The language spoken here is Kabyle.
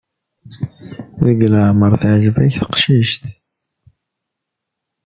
Deg leɛmer teɛǧeb-ak teqcict?